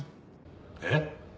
えっ！？